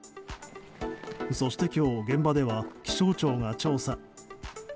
そして今日現場では気象庁が調査。